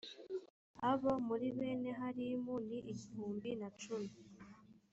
abo muri bene harimu ni igihumbi na cumi